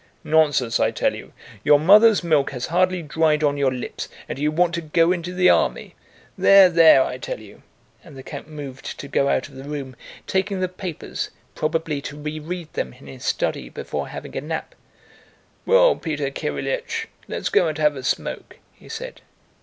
"Nonsense, I tell you. Your mother's milk has hardly dried on your lips and you want to go into the army! There, there, I tell you," and the count moved to go out of the room, taking the papers, probably to reread them in his study before having a nap. "Well, Peter Kirílych, let's go and have a smoke," he said.